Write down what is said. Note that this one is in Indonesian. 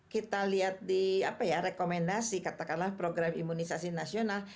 kita lihat di rekomendasi katakanlah program imunisasi nasional